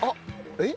えっ？